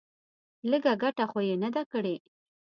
لږه گټه خو يې نه ده کړې.